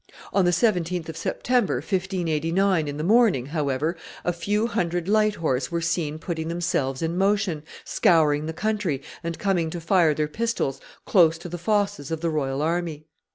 On the 17th of September, 1589, in the morning, however, a few hundred light horse were seen putting themselves in motion, scouring the country and coming to fire their pistols close to the fosses of the royal army.